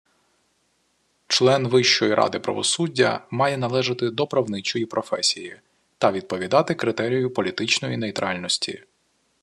Член Вищої ради правосуддя має належати до правничої професії та відповідати критерію політичної нейтральності.